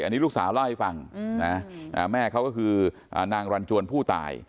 อันนี้ลูกสาวเล่าให้ฟังนะแม่เขาก็คือนางรันจวนผู้ตาย